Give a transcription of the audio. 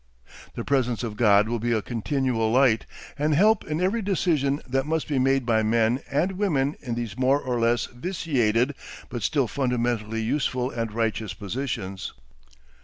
The presence of God will be a continual light and help in every decision that must be made by men and women in these more or less vitiated, but still fundamentally useful and righteous, positions.